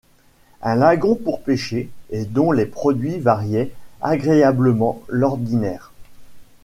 Un lagon pour pêcher, et dont les produits variaient agréablement l’ordinaire!